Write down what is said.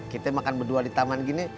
kita makan berdua di taman gini